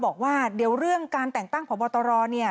บอกว่าเดี๋ยวเรื่องการแต่งตั้งพบตรเนี่ย